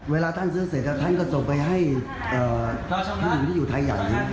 เวลาท่านซื้อเสร็จแล้วท่านก็ส่งไปให้พี่อยู่ที่อยู่ไทยอย่างนี้